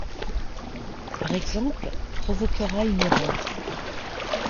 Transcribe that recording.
Par exemple, provoquera une erreur.